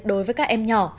đối với các em nhỏ